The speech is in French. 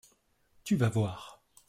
Tu va voir !